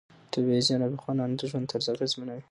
طبیعي زیرمې د افغانانو د ژوند طرز اغېزمنوي.